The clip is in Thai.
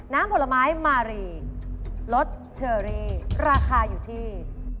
ผลไม้มารีรสเชอรี่ราคาอยู่ที่